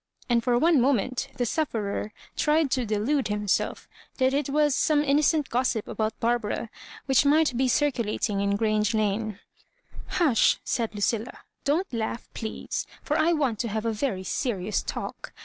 and for one moment the sufferer tried to delude him self that it was some innocent gossip about Bar bara which might be circulating in Grange Ijana "Hush," said Lucilla, "don't laugh, please; for I want to have a very serious talk.